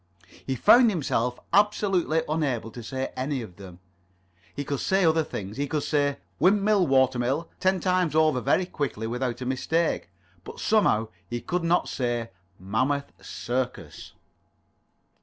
He found himself absolutely unable to say any [Pg 30]of them. He could say other things. He could say "Windmill, watermill" ten times over, very quickly, without a mistake. But somehow he could not say Mammoth Circus.